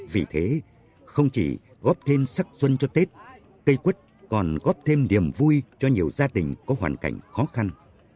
vì thế không chỉ góp thêm sắc xuân cho tết cây quất còn góp thêm niềm vui cho nhiều gia đình có hoàn cảnh khó khăn